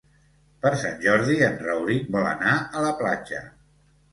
Per Sant Jordi en Rauric vol anar a la platja.